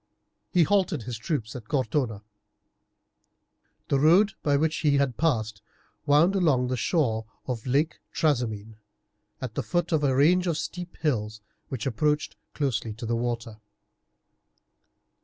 He halted his troops at Cortona. The road by which he had passed wound along the shore of Lake Trasimene, at the foot of a range of steep hills, which approached closely to the water.